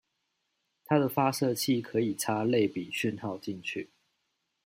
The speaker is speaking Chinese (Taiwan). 它的發射器可以插類比訊號進去